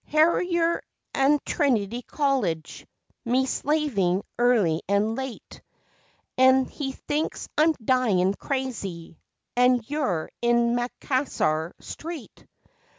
Harrer an' Trinity College! Me slavin' early an' late, An' he thinks I'm dyin' crazy, and you're in Macassar Strait!